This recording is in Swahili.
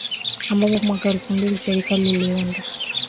ambapo mwaka elfu mbili Serikali iliunda